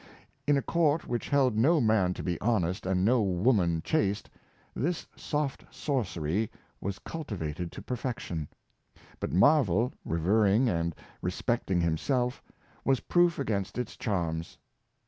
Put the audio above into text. In a court which held no man to be honest, and no woman chaste, this soft sorcery was cultivated to perfection ; but Mar vell, revering and respecting himself, was proof against its charms.